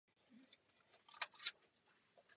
Jedině tak lze totiž nabídnout ruku přátelství i dalším.